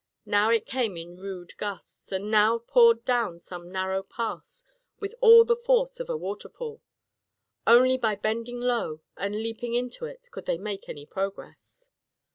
Now it came in rude gusts, and now poured down some narrow pass with all the force of the waterfall. Only by bending low and leaping into it could they make progress.